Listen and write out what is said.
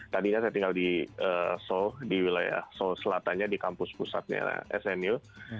tadinya saya tinggal di seoul di wilayah seoul selatannya di kampus pusatnya snu